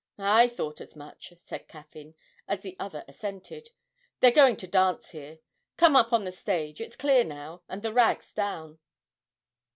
'I thought as much,' said Caffyn, as the other assented; 'they're going to dance here. Come up on the stage: it's clear now, and the rag's down.'